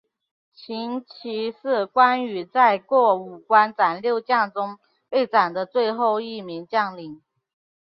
秦琪是关羽在过五关斩六将中被斩的最后一名将领。